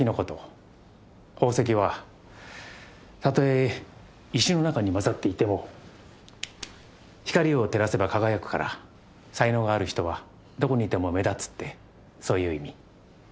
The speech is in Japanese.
宝石はたとえ石の中に交ざっていても光を照らせば輝くから才能がある人はどこにいても目立つってそういう意味。